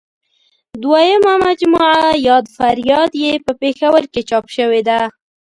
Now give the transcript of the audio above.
دویمه مجموعه یاد فریاد یې په پېښور کې چاپ شوې ده.